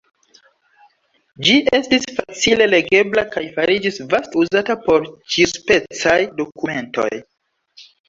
Ĝi estis facile legebla kaj fariĝis vaste uzata por ĉiuspecaj dokumentoj.